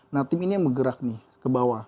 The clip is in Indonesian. nah tim ini yang menggerak nih ke bawah